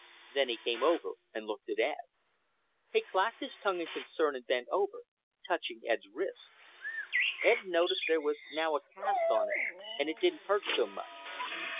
Then he came over and looked at Ed. He clacked his tongue in concern and bent over, touching Ed's wrist. Ed noticed there was now a cast on it, and it didn't hurt so much.